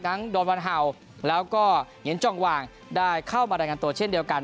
โดนวันเห่าแล้วก็เหงียนจองวางได้เข้ามารายงานตัวเช่นเดียวกัน